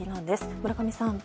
村上さん。